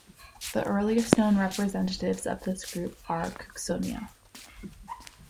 The earliest known representatives of this group are "Cooksonia".